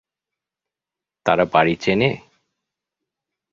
তারা বাড়ি চেনে?